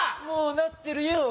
もうなってるよ